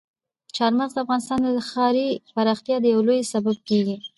چار مغز د افغانستان د ښاري پراختیا یو لوی سبب کېږي.